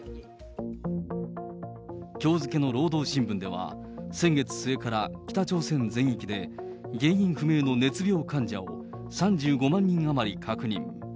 きょう付けの労働新聞では、先月末から北朝鮮全域で、原因不明の熱病患者を３５万人余り確認。